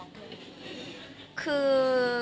ก็คือ